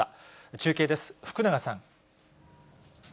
中継です、福永さん。